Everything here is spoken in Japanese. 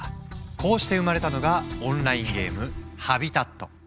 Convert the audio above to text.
こうして生まれたのがオンラインゲーム「ＨＡＢＩＴＡＴ」。